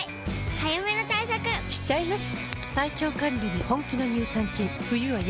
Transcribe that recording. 早めの対策しちゃいます。